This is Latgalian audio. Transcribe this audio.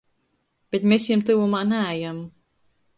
Bet mes jim tyvumā naejam.